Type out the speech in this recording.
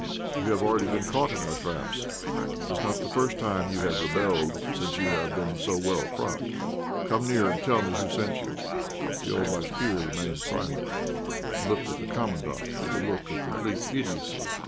You have already been caught in our traps. 'Tis not the first time you have rebelled, since you have been so well cropped. Come near and tell me who sent you." The old Bashkir remained silent, and looked at the Commandant with a look of complete idiocy.